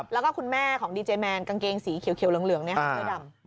แล้วก็คุณแม่ของดีเจแมนกางเกงสีเขียวเหลืองเสื้อดำ